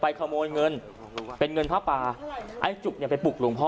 ขโมยเงินเป็นเงินผ้าป่าไอ้จุกเนี่ยไปปลุกหลวงพ่อ